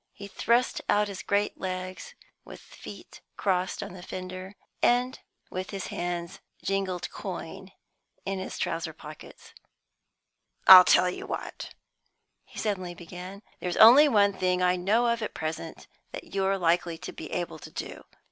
He thrust out his great legs with feet crossed on the fender, and with his hands jingled coin in his trouser pockets. "I tell you what," he suddenly began. "There's only one thing I know of at present that you're likely to be able to do.